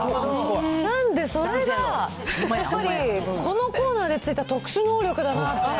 なんで、それがやっぱり、このコーナーでついた特殊能力だなって。